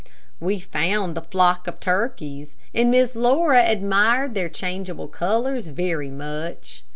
We found the flock of turkeys, and Miss Laura admired their changeable colors very much.